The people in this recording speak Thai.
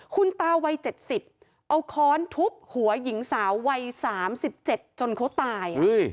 คุณตาวัย๗๐เอาค้อนทุบหัวหญิงสาววัย๓๗จนเขาตาย